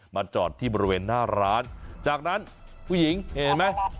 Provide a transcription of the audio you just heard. จอดที่บริเวณหน้าร้านจากนั้นผู้หญิงเห็นไหม